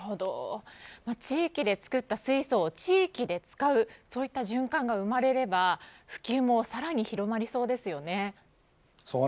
地域で作った水素を地域で使うそういった循環が生まれれば普及もさらに広まりそうですね。